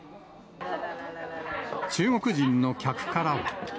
中国人の客からは。